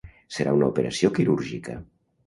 Serà una operació quirúrgica.